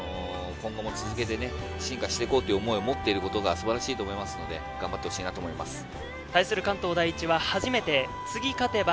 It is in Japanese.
今後も続けて進化していこうという思いを持っていることが素晴らしいと思いますので、頑張ってほしいと思います。